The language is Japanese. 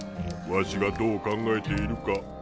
わしがどう考えているか